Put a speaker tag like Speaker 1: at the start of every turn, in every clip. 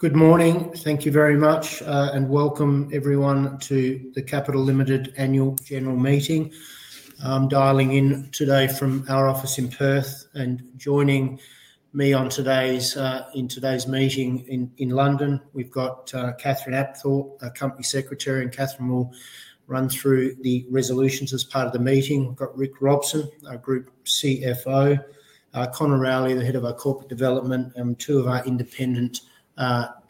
Speaker 1: Good morning. Thank you very much, and welcome, everyone, to the Capital Limited Annual General Meeting. I'm dialing in today from our office in Perth, and joining me in today's meeting in London, we've got Catherine Apthorpe, our Company Secretary, and Catherine will run through the resolutions as part of the meeting. We've got Rick Robson, our Group CFO, Conor Rowley, the Head of our Corporate Development, and two of our independent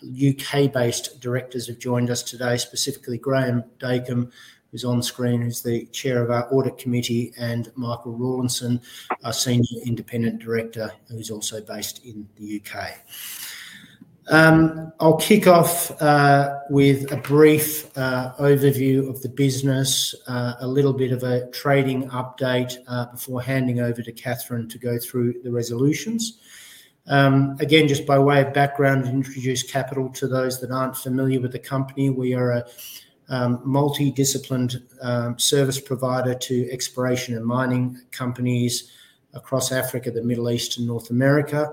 Speaker 1: U.K.-based directors have joined us today, specifically Graham Dacon, who's on screen as the Chair of our Audit Committee, and Michael Rawlinson, our Senior Independent Director, who's also based in the U.K. I'll kick off with a brief overview of the business, a little bit of a trading update before handing over to Catherine to go through the resolutions. Again, just by way of background, to introduce Capital to those that aren't familiar with the company, we are a multidisciplined service provider to exploration and mining companies across Africa, the Middle East, and North America.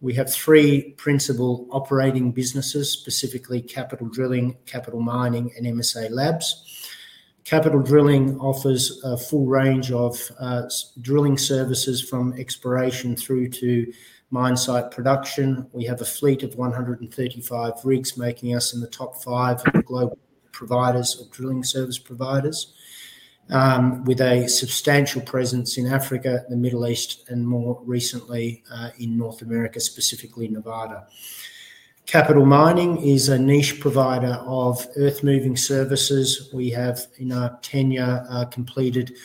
Speaker 1: We have three principal operating businesses, specifically Capital Drilling, Capital Mining, and MSA Labs. Capital Drilling offers a full range of drilling services from exploration through to mine site production. We have a fleet of 135 rigs, making us in the top five global providers of drilling service providers, with a substantial presence in Africa, the Middle East, and more recently in North America, specifically Nevada. Capital Mining is a niche provider of earth-moving services. We have, in our tenure, completed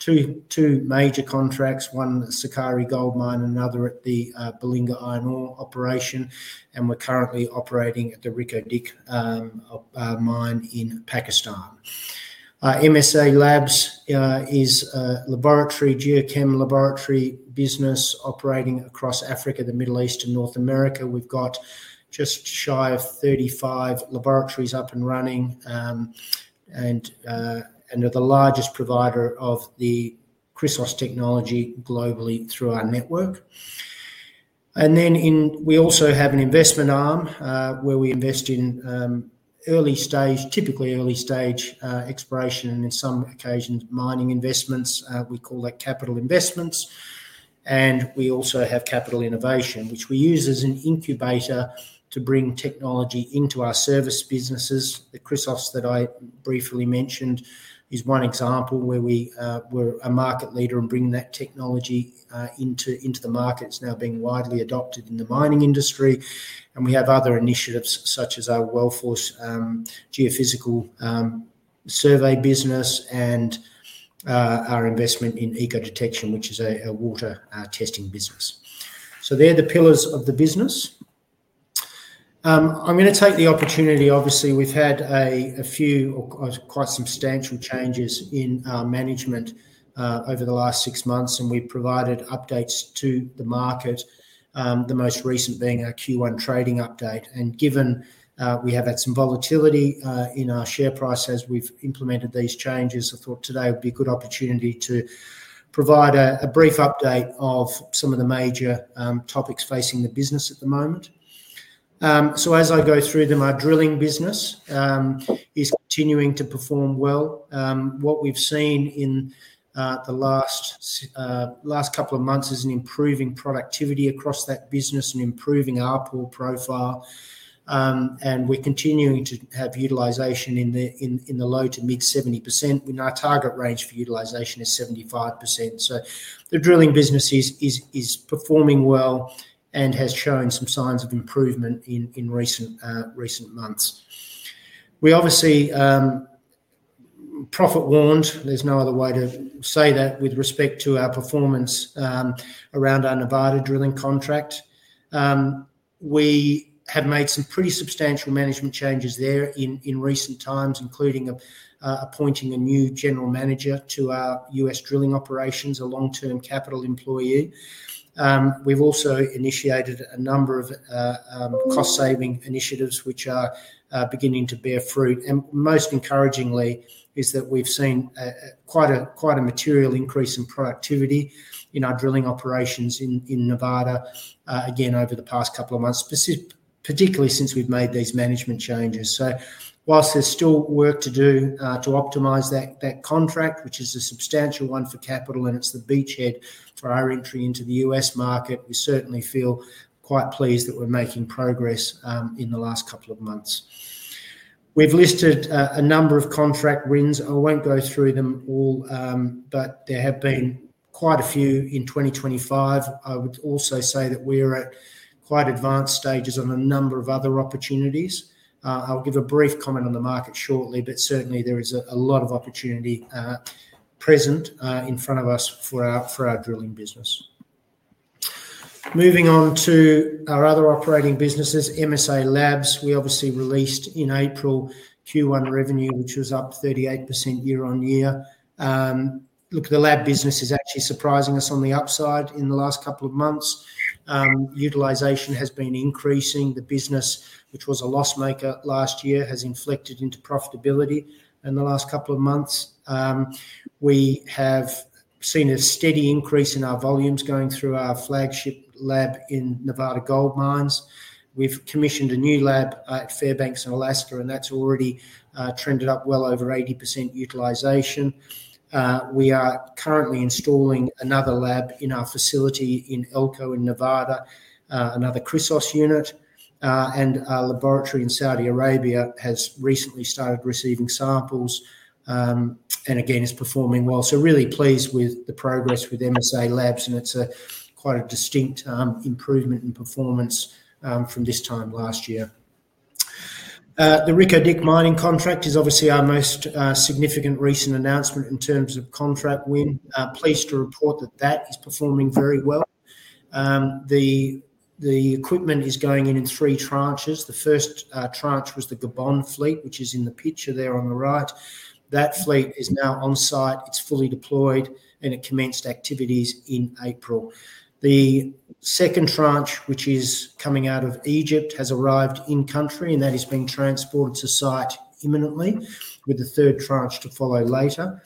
Speaker 1: two major contracts, one at Sukari Gold Mine and another at the Belinga Iron Ore operation, and we're currently operating at the Reko Diq Mine in Pakistan. MSA Labs is a laboratory, geochem laboratory business operating across Africa, the Middle East, and North America. We've got just shy of 35 laboratories up and running and are the largest provider of the Christos technology globally through our network. We also have an investment arm where we invest in early-stage, typically early-stage exploration and, in some occasions, mining investments. We call that Capital Investments. We also have Capital Innovation, which we use as an incubator to bring technology into our service businesses. The Christos that I briefly mentioned is one example where we were a market leader and bring that technology into the market. It's now being widely adopted in the mining industry. We have other initiatives such as our Wellforce geophysical survey business and our investment in Eco Detection, which is a water testing business. They're the pillars of the business. I'm going to take the opportunity. Obviously, we've had a few quite substantial changes in our management over the last six months, and we've provided updates to the market, the most recent being our Q1 trading update. Given we have had some volatility in our share price as we've implemented these changes, I thought today would be a good opportunity to provide a brief update of some of the major topics facing the business at the moment. As I go through them, our drilling business is continuing to perform well. What we've seen in the last couple of months is an improving productivity across that business and improving our pool profile. We're continuing to have utilisation in the low to mid 70%, and our target range for utilisation is 75%. The drilling business is performing well and has shown some signs of improvement in recent months. We obviously profit warned. There's no other way to say that with respect to our performance around our Nevada drilling contract. We have made some pretty substantial management changes there in recent times, including appointing a new general manager to our U.S. drilling operations, a long-term Capital employee. We've also initiated a number of cost-saving initiatives which are beginning to bear fruit. Most encouragingly is that we've seen quite a material increase in productivity in our drilling operations in Nevada, again, over the past couple of months, particularly since we've made these management changes. Whilst there's still work to do to optimise that contract, which is a substantial one for Capital, and it's the beachhead for our entry into the U.S. market, we certainly feel quite pleased that we're making progress in the last couple of months. We've listed a number of contract wins. I won't go through them all, but there have been quite a few in 2025. I would also say that we are at quite advanced stages on a number of other opportunities. I'll give a brief comment on the market shortly, but certainly there is a lot of opportunity present in front of us for our drilling business. Moving on to our other operating businesses, MSA Labs. We obviously released in April Q1 revenue, which was up 38% year on year. Look, the lab business is actually surprising us on the upside in the last couple of months. Utilisation has been increasing. The business, which was a loss maker last year, has inflected into profitability in the last couple of months. We have seen a steady increase in our volumes going through our flagship lab in Nevada Goldmines. We've commissioned a new lab at Fairbanks in Alaska, and that's already trended up well over 80% utilisation. We are currently installing another lab in our facility in Elko in Nevada, another Christos unit, and our laboratory in Saudi Arabia has recently started receiving samples and, again, is performing well. Really pleased with the progress with MSA Labs, and it's quite a distinct improvement in performance from this time last year. The Reko Diq Mining contract is obviously our most significant recent announcement in terms of contract win. Pleased to report that that is performing very well. The equipment is going in in three tranches. The first tranche was the Gabon fleet, which is in the picture there on the right. That fleet is now on site. It's fully deployed, and it commenced activities in April. The second tranche, which is coming out of Egypt, has arrived in country, and that is being transported to site imminently, with the third tranche to follow later.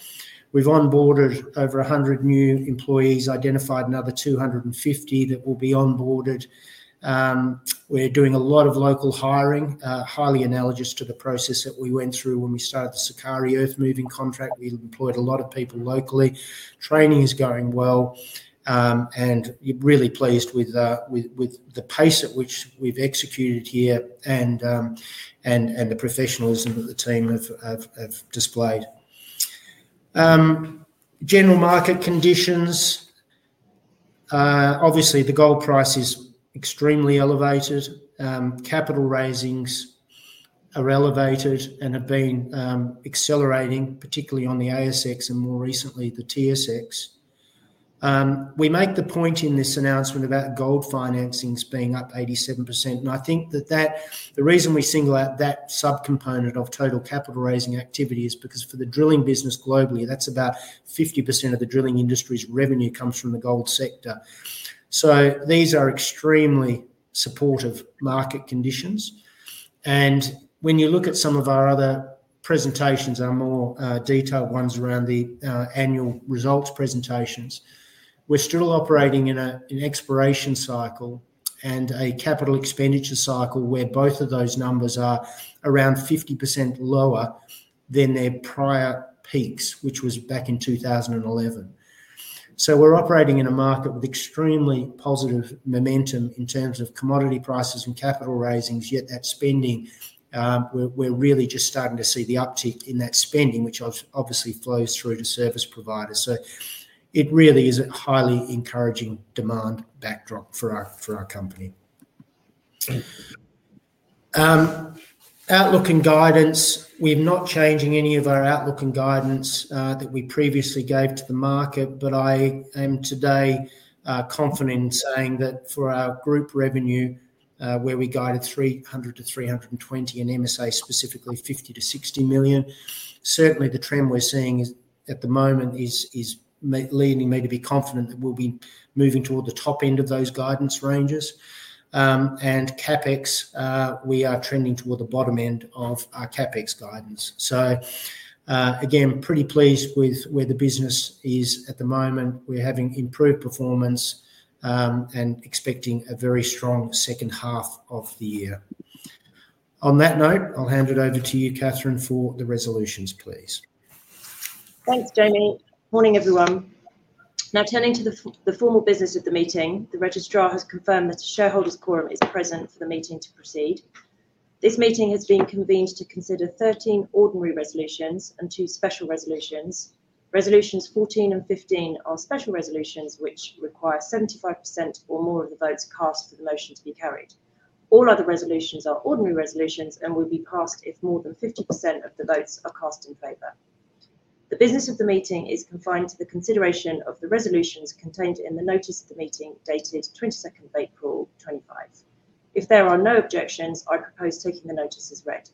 Speaker 1: We've onboarded over 100 new employees, identified another 250 that will be onboarded. We're doing a lot of local hiring, highly analogous to the process that we went through when we started the Sukari earth-moving contract. We've employed a lot of people locally. Training is going well, and really pleased with the pace at which we've executed here and the professionalism that the team have displayed. General market conditions. Obviously, the gold price is extremely elevated. Capital raisings are elevated and have been accelerating, particularly on the ASX and more recently the TSX. We make the point in this announcement about gold financings being up 87%. I think that the reason we single out that subcomponent of total capital raising activity is because for the drilling business globally, that's about 50% of the drilling industry's revenue comes from the gold sector. These are extremely supportive market conditions. When you look at some of our other presentations, our more detailed ones around the annual results presentations, we're still operating in an exploration cycle and a capital expenditure cycle where both of those numbers are around 50% lower than their prior peaks, which was back in 2011. We're operating in a market with extremely positive momentum in terms of commodity prices and capital raisings, yet that spending, we're really just starting to see the uptick in that spending, which obviously flows through to service providers. It really is a highly encouraging demand backdrop for our company. Outlook and guidance. We're not changing any of our outlook and guidance that we previously gave to the market, but I am today confident in saying that for our group revenue, where we guided $300 million-$320 million and MSA specifically $50 million-$60 million, certainly the trend we're seeing at the moment is leading me to be confident that we'll be moving toward the top end of those guidance ranges. CapEx, we are trending toward the bottom end of our CapEx guidance. Again, pretty pleased with where the business is at the moment. We're having improved performance and expecting a very strong second half of the year. On that note, I'll hand it over to you, Catherine, for the resolutions, please.
Speaker 2: Thanks, Jamie. Morning, everyone. Now, turning to the formal business of the meeting, the registrar has confirmed that the shareholders' quorum is present for the meeting to proceed. This meeting has been convened to consider 13 ordinary resolutions and two special resolutions. Resolutions 14 and 15 are special resolutions, which require 75% or more of the votes cast for the motion to be carried. All other resolutions are ordinary resolutions and will be passed if more than 50% of the votes are cast in favour. The business of the meeting is confined to the consideration of the resolutions contained in the notice of the meeting dated 22nd of April 2025. If there are no objections, I propose taking the notice as read.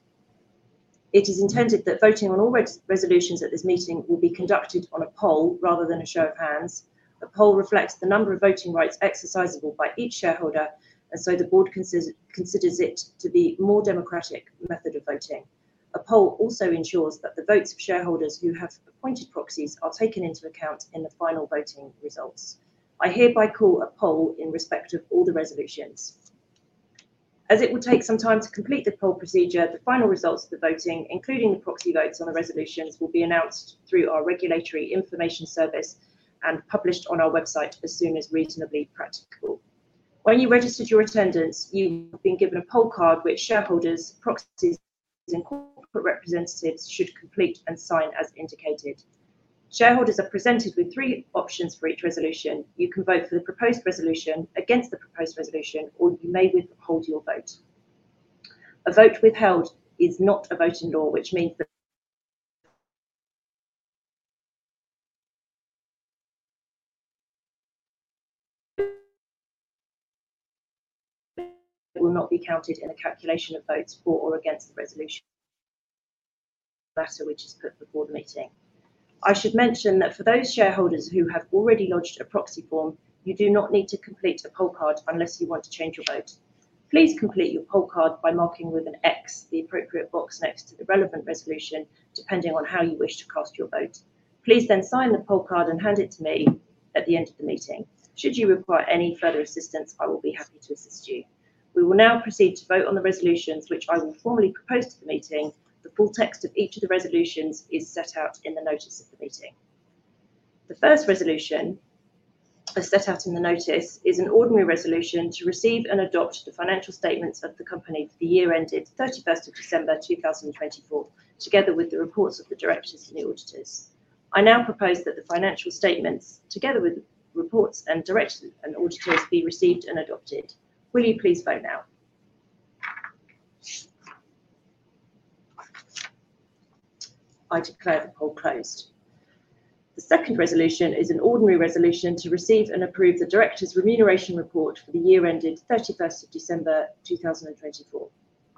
Speaker 2: It is intended that voting on all resolutions at this meeting will be conducted on a poll rather than a show of hands. A poll reflects the number of voting rights exercisable by each shareholder, and so the board considers it to be a more democratic method of voting. A poll also ensures that the votes of shareholders who have appointed proxies are taken into account in the final voting results. I hereby call a poll in respect of all the resolutions. As it will take some time to complete the poll procedure, the final results of the voting, including the proxy votes on the resolutions, will be announced through our regulatory information service and published on our website as soon as reasonably practicable. When you registered your attendance, you've been given a poll card which shareholders, proxies, and corporate representatives should complete and sign as indicated. Shareholders are presented with three options for each resolution. You can vote for the proposed resolution, against the proposed resolution, or you may withhold your vote. A vote withheld is not a vote in law, which means that it will not be counted in the calculation of votes for or against the resolution matter which is put before the meeting. I should mention that for those shareholders who have already lodged a proxy form, you do not need to complete a poll card unless you want to change your vote. Please complete your poll card by marking with an X the appropriate box next to the relevant resolution, depending on how you wish to cast your vote. Please then sign the poll card and hand it to me at the end of the meeting. Should you require any further assistance, I will be happy to assist you. We will now proceed to vote on the resolutions which I will formally propose to the meeting. The full text of each of the resolutions is set out in the notice of the meeting. The first resolution set out in the notice is an ordinary resolution to receive and adopt the financial statements of the company for the year ended 31st of December 2024, together with the reports of the directors and the auditors. I now propose that the financial statements, together with reports and directors and auditors, be received and adopted. Will you please vote now? I declare the poll closed. The second resolution is an ordinary resolution to receive and approve the directors' remuneration report for the year ended 31st of December 2024.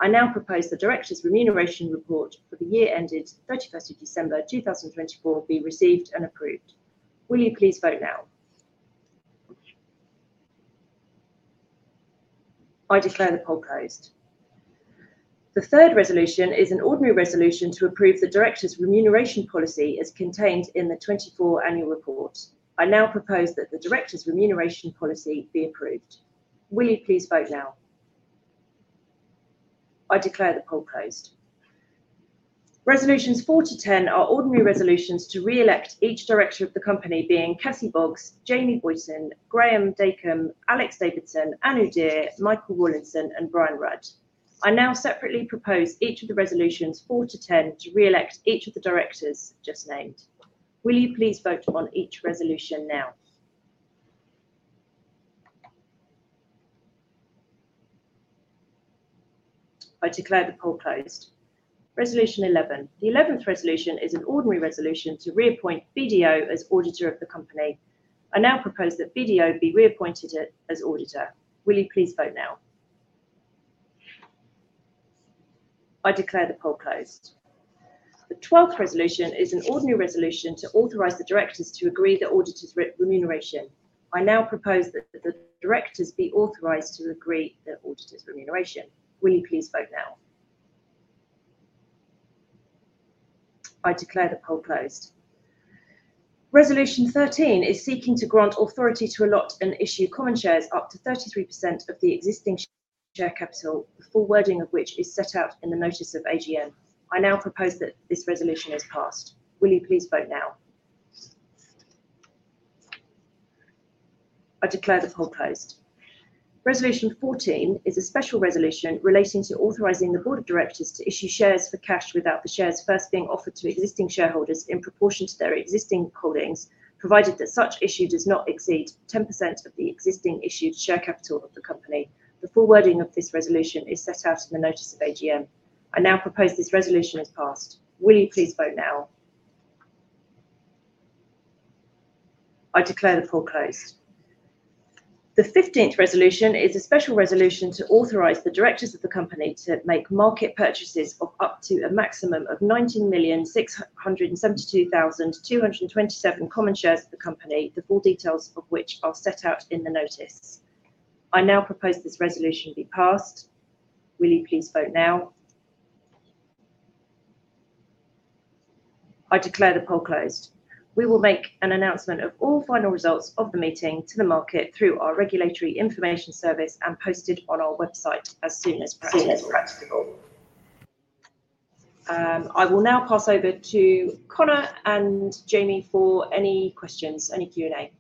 Speaker 2: I now propose the directors' remuneration report for the year ended 31st of December 2024 be received and approved. Will you please vote now? I declare the poll closed. The third resolution is an ordinary resolution to approve the directors' remuneration policy as contained in the 2024 annual report. I now propose that the directors' remuneration policy be approved. Will you please vote now? I declare the poll closed. Resolutions 4 to 10 are ordinary resolutions to re-elect each director of the company, being Cassie Boggs, Jamie Boyton, Graeme Dacomb, Alex Davidson, Anu Dhir, Michael Rawlinson, and Brian Rudd. I now separately propose each of the resolutions 4 to 10 to re-elect each of the directors just named. Will you please vote on each resolution now? I declare the poll closed. Resolution 11. The 11th resolution is an ordinary resolution to re-appoint BDO as auditor of the company. I now propose that BDO be re-appointed as auditor. Will you please vote now? I declare the poll closed. The 12th resolution is an ordinary resolution to authorise the directors to agree the auditor's remuneration. I now propose that the directors be authorised to agree the auditor's remuneration. Will you please vote now? I declare the poll closed. Resolution 13 is seeking to grant authority to allot and issue common shares up to 33% of the existing share capital, the forewording of which is set out in the notice of AGM. I now propose that this resolution is passed. Will you please vote now? I declare the poll closed. Resolution 14 is a special resolution relating to authorising the board of directors to issue shares for cash without the shares first being offered to existing shareholders in proportion to their existing holdings, provided that such issue does not exceed 10% of the existing issued share capital of the company. The forewording of this resolution is set out in the notice of AGM. I now propose this resolution is passed. Will you please vote now? I declare the poll closed. The 15th resolution is a special resolution to authorise the directors of the company to make market purchases of up to a maximum of 19,672,227 common shares of the company, the full details of which are set out in the notice. I now propose this resolution be passed. Will you please vote now? I declare the poll closed. We will make an announcement of all final results of the meeting to the market through our regulatory information service and posted on our website as soon as practicable. I will now pass over to Conor and Jamie for any questions, any Q&A.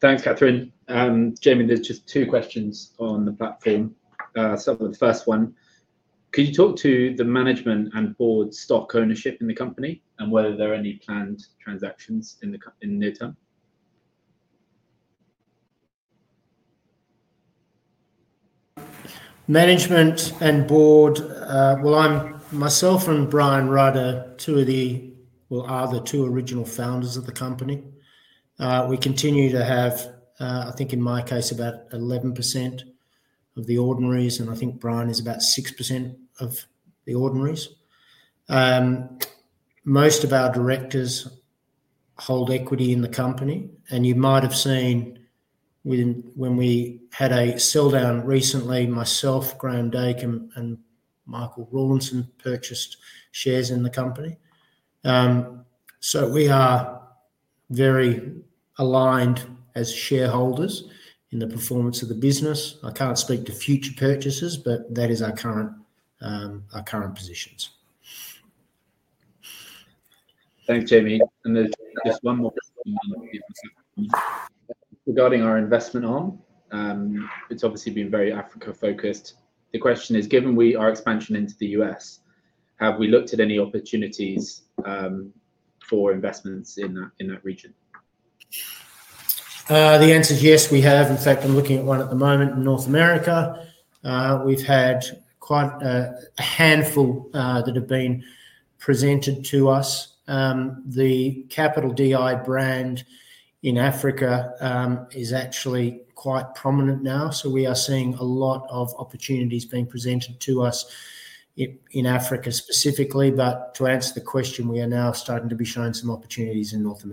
Speaker 3: Thanks, Catherine. Jamie, there's just two questions on the platform. Start with the first one. Could you talk to the management and board stock ownership in the company and whether there are any planned transactions in the near term?
Speaker 1: Management and board, I'm myself and Brian Wither, two of the, are the two original founders of the company. We continue to have, I think in my case, about 11% of the ordinaries, and I think Brian is about 6% of the ordinaries. Most of our directors hold equity in the company, and you might have seen when we had a sell-down recently, myself, Graeme Dacomb, and Michael Rawlinson purchased shares in the company. We are very aligned as shareholders in the performance of the business. I can't speak to future purchases, but that is our current positions.
Speaker 3: Thanks, Jamie. There's just one more question regarding our investment arm. It's obviously been very Africa-focused. The question is, given our expansion into the U.S., have we looked at any opportunities for investments in that region?
Speaker 1: The answer is yes, we have. In fact, I'm looking at one at the moment in North America. We've had quite a handful that have been presented to us. The Capital DI brand in Africa is actually quite prominent now, so we are seeing a lot of opportunities being presented to us in Africa specifically. To answer the question, we are now starting to be shown some opportunities in North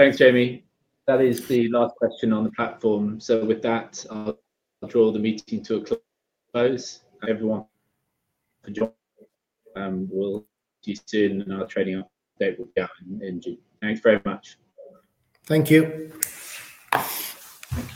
Speaker 1: America.
Speaker 3: Thanks, Jamie. That is the last question on the platform. With that, I'll draw the meeting to a close. Thank you, everyone, for joining. We'll see you soon. Another trading update will be out in June. Thanks very much.
Speaker 1: Thank you.
Speaker 3: Thank you.